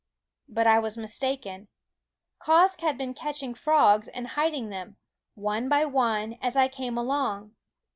But I was mistaken. Quoskh had been catching frogs and hiding them, one by one, as I came along.